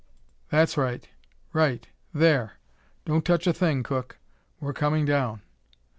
That's right right there! Don't touch a thing, Cook! We're coming down."